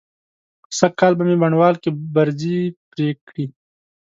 سږکال مې په بڼوال کې برځې پرې کړې.